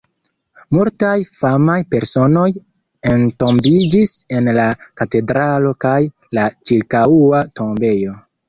Multaj famaj personoj entombiĝis en la katedralo kaj la ĉirkaŭa tombejo.